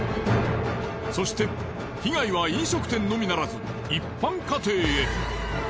そして被害は飲食店のみならず一般家庭へ。